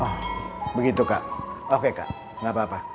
wah begitu kak oke kak gak apa apa